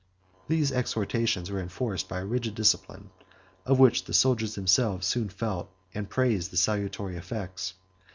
These exhortations were enforced by a rigid discipline, of which the soldiers themselves soon felt and praised the salutary effects.